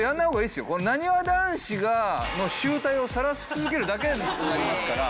なにわ男子が醜態をさらし続けるだけになりますから。